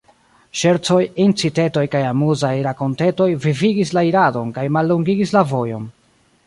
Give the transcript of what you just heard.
Ŝercoj, incitetoj kaj amuzaj rakontetoj vivigis la iradon kaj mallongigis la vojon.